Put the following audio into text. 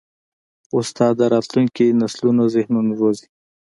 استاد د راتلونکي نسلونو ذهنونه روزي.